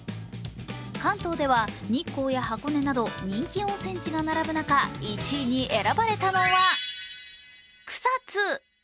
関東では日光や箱根など人気温泉地が並ぶ中、１位に選ばれたのは草津。